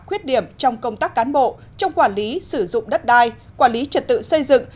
khuyết điểm trong công tác cán bộ trong quản lý sử dụng đất đai quản lý trật tự xây dựng